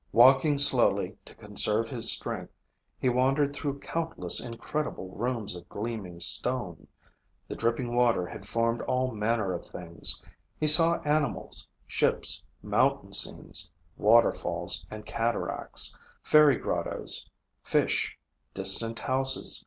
Walking slowly, to conserve his strength, he wandered through countless incredible rooms of gleaming stone. The dripping water had formed all manner of things. He saw animals, ships, mountain scenes, waterfalls, and cataracts, fairy grottoes, fish, distant houses